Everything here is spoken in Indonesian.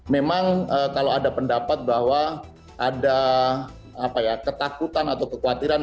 memang kalau ada pendapat bahwa ada ketakutan atau kekhawatiran